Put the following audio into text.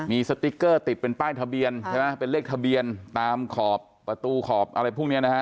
มีสติ๊กเกอร์ติดเป็นป้ายทะเบียนใช่ไหมเป็นเลขทะเบียนตามขอบประตูขอบอะไรพวกนี้นะฮะ